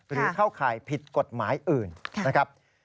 หรือเข้าข่ายผิดกฎหมายอื่นนะครับ